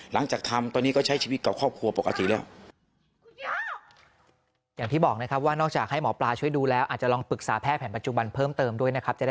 หลังจากทำตอนนี้ก็ใช้ชีวิตกับครอบครัวปกติแล้ว